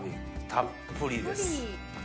たっぷりです。